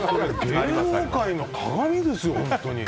芸能界の鑑ですよ。